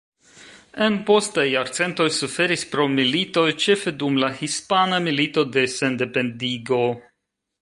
En postaj jarcentoj suferis pro militoj ĉefe dum la Hispana Milito de Sendependigo.